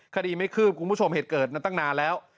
คดีไม่คืบคุณผู้ชมเหตุเกิดนั้นตั้งนานแล้ว